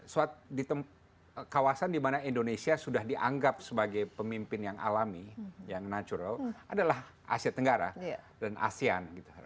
suatu di kawasan di mana indonesia sudah dianggap sebagai pemimpin yang alami yang natural adalah asia tenggara dan asean